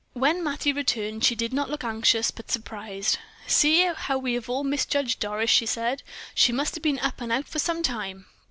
When Mattie returned she did not look anxious but surprised. "See how we have all misjudged Doris," she said; "she must have been up and out for some time."